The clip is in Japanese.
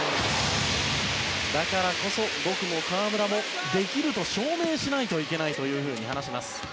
だからこそ、僕も河村もできると証明しなきゃいけないと話します。